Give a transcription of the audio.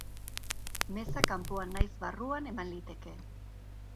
Meza kanpoan naiz barruan eman liteke.